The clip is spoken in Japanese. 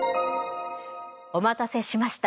お待たせしました。